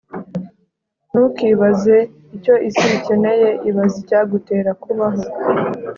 ntukibaze icyo isi ikeneye, ibaze icyagutera kubaho